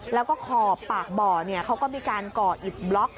แล้วก็ขอบปากบ่อเขาก็มีการก่ออิดบล็อก